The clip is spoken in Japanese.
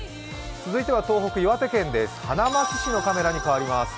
続いては東北岩手県です、花巻市のカメラにかわります。